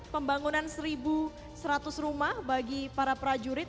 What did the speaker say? pembangunan satu seratus rumah bagi para prajurit